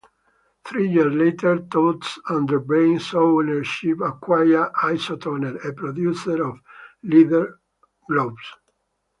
Three years later, Totes, under Bain's ownership, acquired Isotoner, a producer of leather gloves.